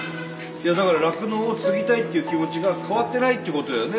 いやだから酪農を継ぎたいっていう気持ちが変わってないっていうことだよね